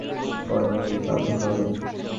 পরে বলব, কাল দেখা হবে।